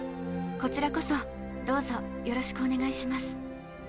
こちらこそどうぞよろしくお願いします